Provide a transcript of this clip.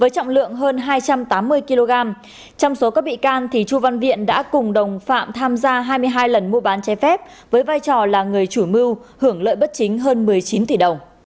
trong số các bị can chú văn viện đã cùng đồng phạm tham gia hai mươi hai lần mua bán chai phép với vai trò là người chủ mưu hưởng lợi bất chính hơn một mươi chín tỷ đồng